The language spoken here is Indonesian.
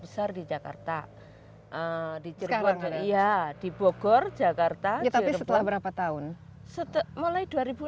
besar di jakarta di cirebon iya di bogor jakarta tetapi setelah berapa tahun setelah mulai dari